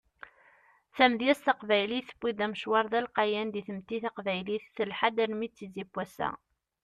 Tamedyazt taqbaylit tewwi-d amecwar d alqayan di tmetti taqbaylit telḥa-d armi d tizi n wass-a.